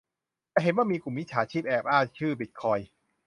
จะเห็นว่ามีกลุ่มมิจฉาชีพแอบอ้างชื่อบิตคอยน์